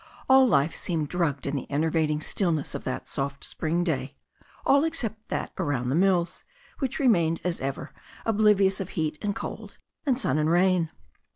All life seemed drugged in the enervating stillness of that soft spring day, all except that around the mills, which remained, as ever, oblivious of heat and cold, and sun and rain.